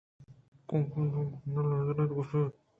کاف ءَوتی گردن لرزینت ءُگوٛشت